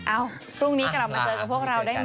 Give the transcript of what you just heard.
อ้าวพรุ่งนี้กลับมาเจอกับพวกเราได้ใหม่นะครับ